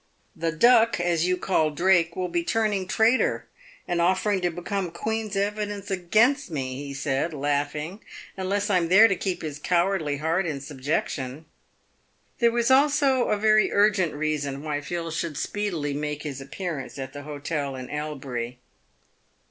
" The Duck, as you call Drake, will be turning traitor, and offering to become Queen's evidence against me," he said, laughing, " unless I'm there to keep his cowardly heart in subjection." There was also a very urgent reason why Phil should speedily make his appearance at the hotel in Elbury.